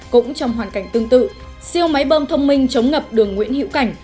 cũng trong hoàn cảnh tương tự siêu máy bơm thông minh chống ngập đường nguyễn hữu cảnh